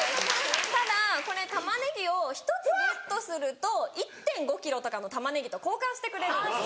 ただこれ玉ねぎを１つゲットすると１．５キロとかの玉ねぎと交換してくれるんです。